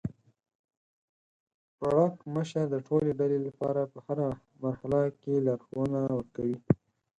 پړکمشر د ټولې ډلې لپاره په هره مرحله کې لارښوونه ورکوي.